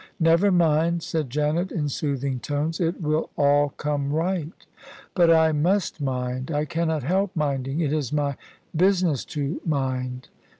" "Never mind," said Janet, in soothing tones; "it will all come right." "But I must mind: I cannot help minding: it is my business to mind."